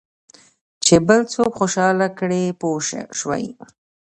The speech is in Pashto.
چې بل څوک خوشاله کړې پوه شوې!.